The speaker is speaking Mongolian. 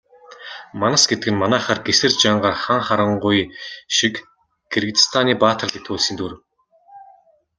Манас гэдэг нь манайхаар Гэсэр, Жангар, Хан Харангуй шиг Киргизстаны баатарлаг туульсын дүр.